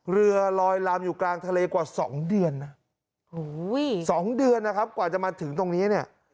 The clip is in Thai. เรือลอยลามอยู่กลางทะเลกว่า๒เดือนนะ๒เดือนนะครับกว่าจะมาถึงตรงนี้เนี่ย